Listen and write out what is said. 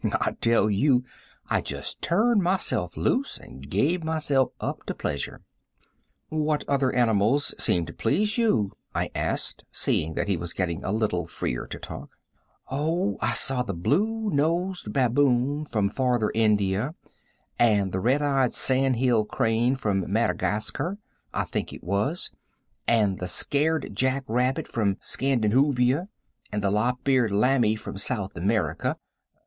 I tell you, I just turned myself loose and gave myself up to pleasure." [Illustration: I WAS A POOR CONVERSATIONALIST.] "What other animals seemed to please you?" I asked, seeing that he was getting a little freer to talk. "Oh, I saw the blue nosed baboon from Farther India, and the red eyed sandhill crane from Maddygasker, I think it was, and the sacred Jack rabbit from Scandihoovia, and the lop eared layme from South America.